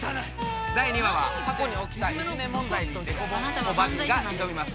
第２話は、過去に起きたいじめ問題に凸凹バディが挑みます！